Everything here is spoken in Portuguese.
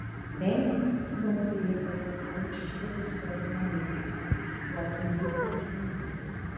"Bem? que bom seria para você se você tivesse morrido " o alquimista respondeu.